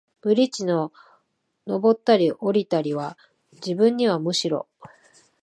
ブリッジの上ったり降りたりは、自分にはむしろ、